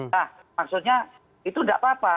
nah maksudnya itu nggak apa apa